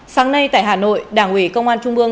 sáng nay tại hà nội đảng ủy công an trung ương